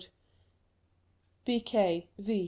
v.